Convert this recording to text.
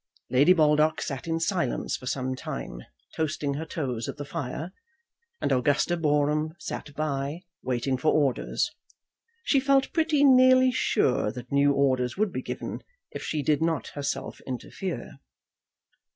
Lady Baldock sat in silence for some time toasting her toes at the fire, and Augusta Boreham sat by, waiting for orders. She felt pretty nearly sure that new orders would be given if she did not herself interfere.